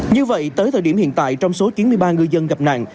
như vậy tới thời điểm hiện tại trong số chín mươi ba ngư dân gặp nạn